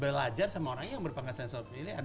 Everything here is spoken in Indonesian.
belajar sama orang yang berpenghasilan satu miliar